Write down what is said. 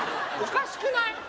おかしくない？